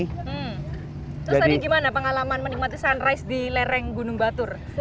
terus ada gimana pengalaman menikmati sunrise di lereng gunung batur